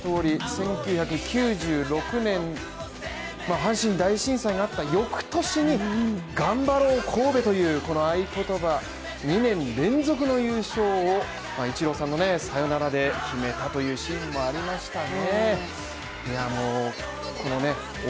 阪神大震災があった翌年に頑張ろう神戸というこの合言葉２年連続の優勝をイチローさんのさよならで決めたというシーンもありましたね。